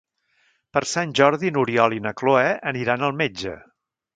Per Sant Jordi n'Oriol i na Cloè aniran al metge.